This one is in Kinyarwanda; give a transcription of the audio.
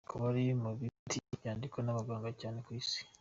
Akaba uri mu miti yandikwa n’abaganga cyane ku isi.